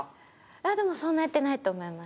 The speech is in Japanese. でもそんなやってないと思います